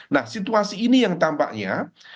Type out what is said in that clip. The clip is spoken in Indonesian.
nah situasi ini yang tampaknya